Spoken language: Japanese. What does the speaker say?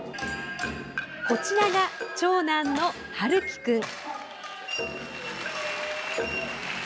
こちらが長男の陽喜君。